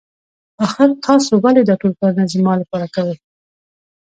آخر تاسو ولې دا ټول کارونه زما لپاره کوئ.